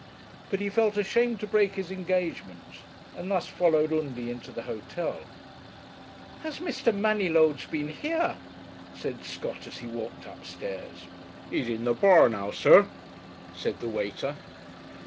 But he felt ashamed to break his engagement, and thus followed Undy into the hotel. 'Has Mr. Manylodes been here?' said Scott, as he walked upstairs. 'He's in the bar now, sir,' said the waiter.